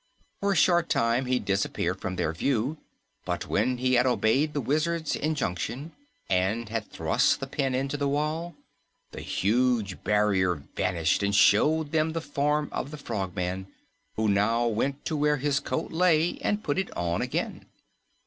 For a short time, he disappeared from their view, but when he had obeyed the Wizard's injunction and had thrust the pin into the wall, the huge barrier vanished and showed them the form of the Frogman, who now went to where his coat lay and put it on again.